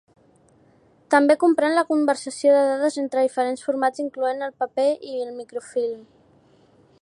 També comprèn la conversió de dades entre diferents formats, incloent-hi el paper i el microfilm.